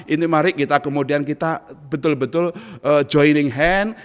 ini mari kita kemudian kita betul betul joining hand